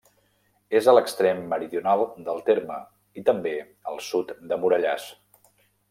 És a l'extrem meridional del terme, i també al sud de Morellàs.